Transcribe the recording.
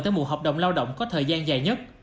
tới một hợp đồng lao động có thời gian dài nhất